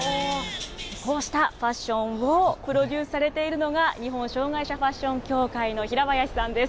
こうしたファッションをプロデュースされているのが日本障がい者ファッション協会の平林さんです。